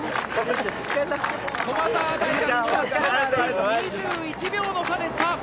駒澤大学とは３分２１秒の差でした。